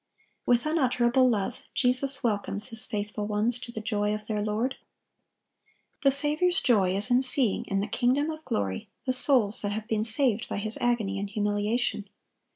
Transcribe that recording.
With unutterable love, Jesus welcomes His faithful ones to the "joy of their Lord." The Saviour's joy is in seeing, in the kingdom of glory, the souls that have been saved by His agony and humiliation.